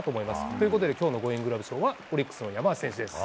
ということで、きょうのゴーインググラブ賞はオリックスの山足選手です。